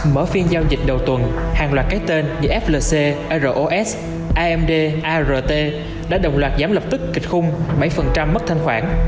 mở phiên giao dịch đầu tuần hàng loạt cái tên như flc ros amd art đã đồng loạt giám lập tức kịch khung bảy mất thanh khoản